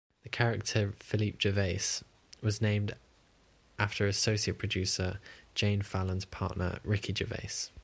The character Phillipe Gervais was named after associate producer Jane Fallon's partner Ricky Gervais.